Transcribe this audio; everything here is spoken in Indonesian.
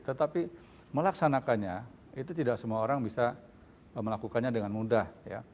tetapi melaksanakannya itu tidak semua orang bisa melakukannya dengan mudah